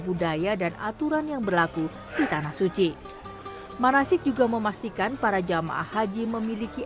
budaya dan aturan yang berlaku di tanah suci manasik juga memastikan para jamaah haji memiliki